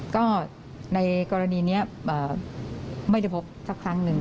ก็ในกรณีนี้ไม่ได้พบสักครั้งหนึ่ง